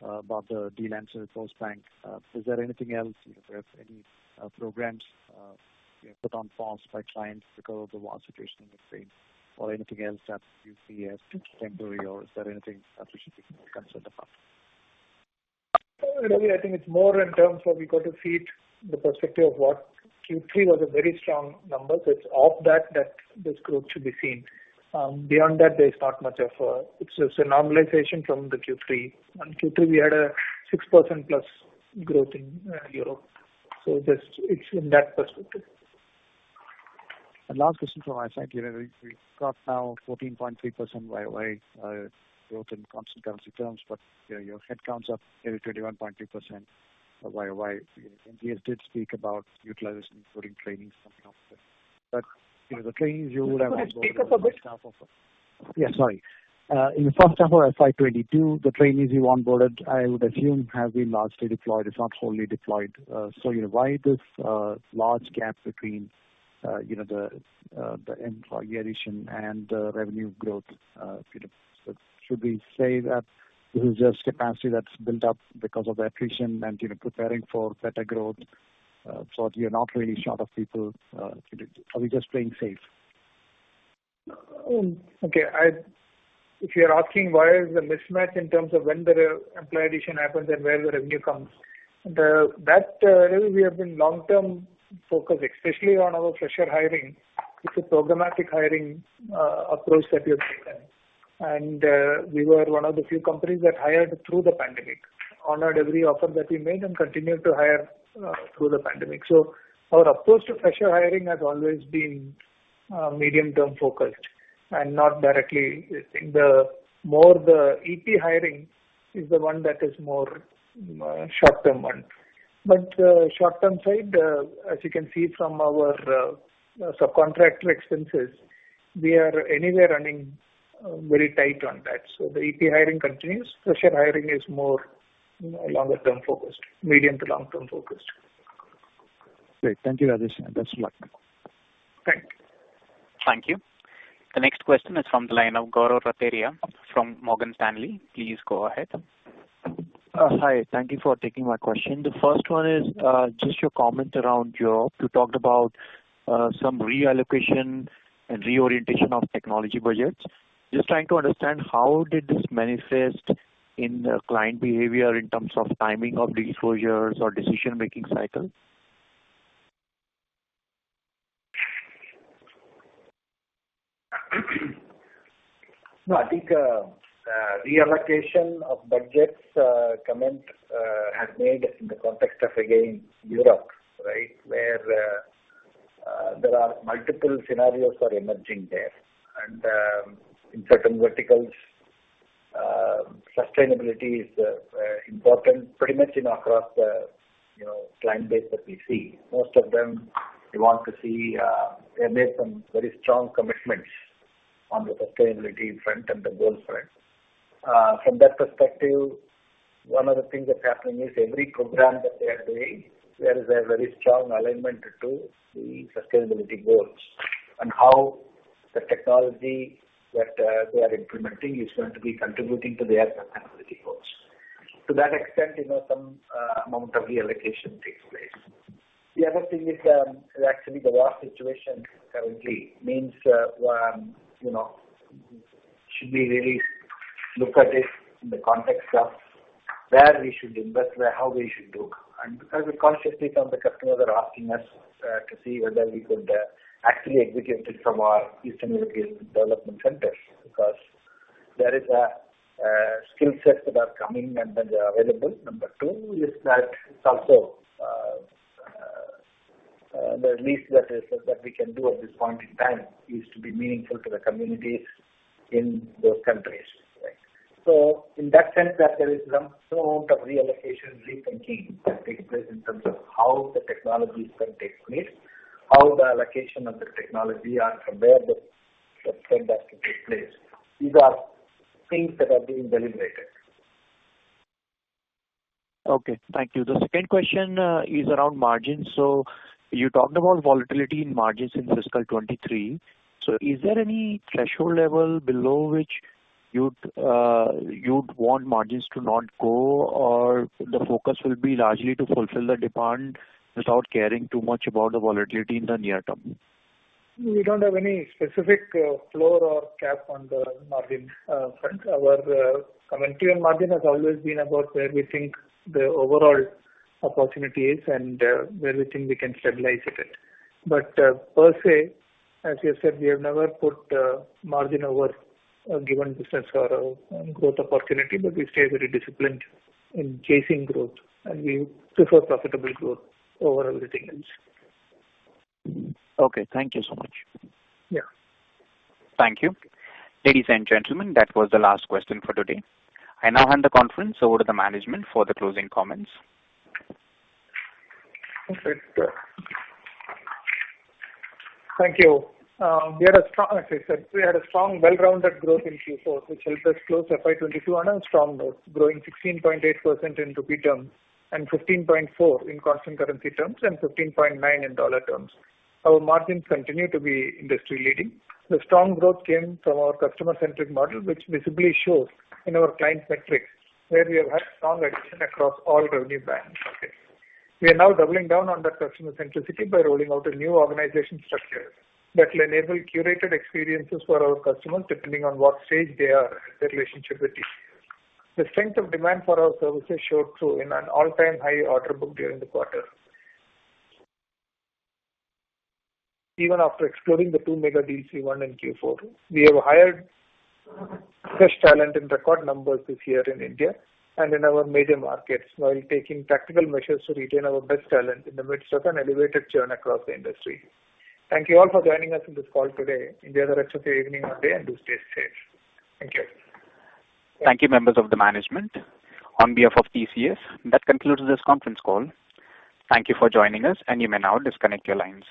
[SPEAKER 12] about the deal wins with Postbank. Is there anything else, you know, if there's any programs you know put on pause by clients because of the war situation in Ukraine or anything else that you see as temporary or is there anything that we should be more concerned about?
[SPEAKER 3] No, Ravi, I think it's more in terms of we got to see it in the perspective of what Q3 was a very strong number, so it's off that this growth should be seen. Beyond that, there's not much of a. It's just a normalization from the Q3. On Q3 we had 6%+ growth in Europe. Just, it's in that perspective.
[SPEAKER 12] Last question from our side. You know, we got now 14.3% YOY growth in constant currency terms, but, you know, your headcounts are nearly 21.3% YOY. You know, Indians did speak about utilization including training, something of that. You know, the trainings you would have-
[SPEAKER 3] Could I just take up a bit.
[SPEAKER 12] Yeah, sorry. In the first half of FY 2022, the trainees you onboarded, I would assume, have been largely deployed. It's not wholly deployed. You know, why this large gap between the employee addition and the revenue growth, you know. Should we say that this is just capacity that's built up because of the attrition and, you know, preparing for better growth? You're not really short of people, you know. Are we just playing safe?
[SPEAKER 3] Okay. If you're asking why is the mismatch in terms of when the employee addition happens and where the revenue comes. That really, we have been long-term focused, especially on our fresher hiring. It's a programmatic hiring approach that we have taken. We were one of the few companies that hired through the pandemic, honored every offer that we made and continued to hire through the pandemic. Our approach to fresher hiring has always been medium-term focused and not directly. I think the more the lateral hiring is the one that is more short-term one. Short-term side, as you can see from our subcontractor expenses, we are anyway running very tight on that. The lateral hiring continues. Fresher hiring is more, you know, longer-term focused. Medium to long-term focused.
[SPEAKER 12] Great. Thank you, Rajesh. Best of luck.
[SPEAKER 3] Okay.
[SPEAKER 1] Thank you. The next question is from the line of Gaurav Rateria from Morgan Stanley. Please go ahead.
[SPEAKER 13] Hi. Thank you for taking my question. The first one is, just your comment around Europe. You talked about some reallocation and reorientation of technology budgets. Just trying to understand how did this manifest in the client behavior in terms of timing of disclosures or decision-making cycles?
[SPEAKER 4] No, I think the reallocation of budgets comment I made in the context of, again, Europe, right? Where there are multiple scenarios emerging there. In certain verticals, sustainability is important pretty much, you know, across the, you know, client base that we see. Most of them, they want to see. They made some very strong commitments on the sustainability front and the goal front. From that perspective, one of the things that's happening is every program that they are doing, there is a very strong alignment to the sustainability goals and how the technology that they are implementing is going to be contributing to their sustainability goals. To that extent, you know, some amount of reallocation takes place. The other thing is, actually the war situation currently means, you know, should we really look at it in the context of where we should invest, where, how we should do. Because we consciously some of the customers are asking us, to see whether we could, actually execute it from our Eastern European development centers. Because there is a skill sets that are coming and that they are available. Number 2 is that it's also the least that we can do at this point in time is to be meaningful to the communities in those countries, right? In that sense that there is some small amount of reallocation, rethinking that takes place in terms of how the technology can take place, how the allocation of the technology are from where the trend has to take place. These are things that are being deliberated.
[SPEAKER 13] Okay. Thank you. The second question is around margins. You talked about volatility in margins in fiscal 2023. Is there any threshold level below which you'd want margins to not go or the focus will be largely to fulfill the demand without caring too much about the volatility in the near term?
[SPEAKER 3] We don't have any specific floor or cap on the margin front. Our commentary on margin has always been about where we think the overall opportunity is and where we think we can stabilize it at. Per se, as you said, we have never put margin over a given business or growth opportunity, but we stay very disciplined in chasing growth and we prefer profitable growth over everything else.
[SPEAKER 13] Okay. Thank you so much.
[SPEAKER 4] Yeah.
[SPEAKER 1] Thank you. Ladies and gentlemen, that was the last question for today. I now hand the conference over to the management for the closing comments.
[SPEAKER 4] Okay. Thank you. As I said, we had a strong well-rounded growth in Q4 which helped us close FY 2022 on a strong note, growing 16.8% in rupee terms and 15.4% in constant currency terms and 15.9% in dollar terms. Our margins continue to be industry-leading. The strong growth came from our customer-centric model, which visibly shows in our client metrics, where we have had strong addition across all revenue bands. We are now doubling down on that customer centricity by rolling out a new organization structure that will enable curated experiences for our customers depending on what stage they are at their relationship with TCS. The strength of demand for our services showed through in an all-time high order book during the quarter. Even after excluding the two mega deals Q1 and Q4, we have hired fresh talent in record numbers this year in India and in our major markets while taking practical measures to retain our best talent in the midst of an elevated churn across the industry. Thank you all for joining us on this call today. Enjoy the rest of your evening or day and do stay safe. Thank you.
[SPEAKER 1] Thank you, members of the management. On behalf of TCS, that concludes this conference call. Thank you for joining us, and you may now disconnect your lines.